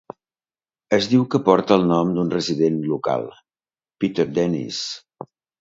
Es diu que porta el nom d'un resident local, Peter Dennis.